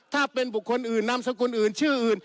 ถ้าเป็นบุคคลอื่นนามสกุลอื่นชื่ออื่น